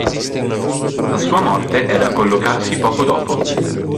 La sua morte è da collocarsi poco dopo.